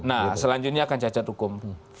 nah selanjutnya akan cacat hukum